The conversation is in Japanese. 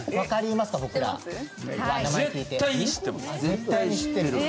絶対に知ってます。